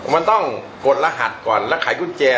มันต้องกดรหัสก่อนแล้วขายกุญแจ